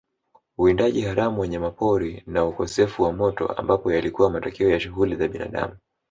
Uwindaji haramu wanyamapori na ukosefu wa moto ambapo yalikuwa matokeo ya shughuli za binadamu